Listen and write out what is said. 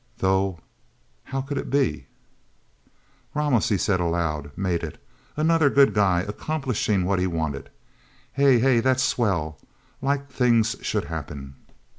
Though how could it be...? "Ramos," he said aloud. "Made it... Another good guy, accomplishing what he wanted... Hey...! Hey, that's swell... Like things should happen."